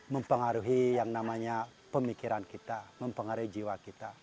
mempengaruhi yang namanya pemikiran kita mempengaruhi jiwa kita